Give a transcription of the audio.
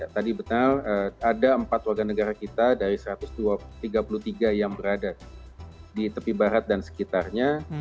tadi betul ada empat warga negara kita dari satu ratus tiga puluh tiga yang berada di tepi barat dan sekitarnya